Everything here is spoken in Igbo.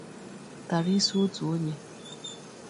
tàrà isi otu onye